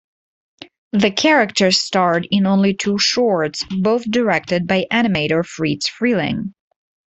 The characters starred in only two shorts, both directed by animator Friz Freleng.